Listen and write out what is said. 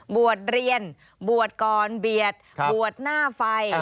บวชเรียนบวชก่อนเบียดบวชหน้าไฟ